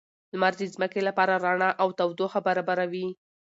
لمر د ځمکې لپاره رڼا او تودوخه برابروي